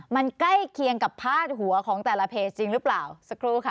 มันใกล้เคียงกับพาดหัวของแต่ละเพจจริงหรือเปล่าสักครู่ค่ะ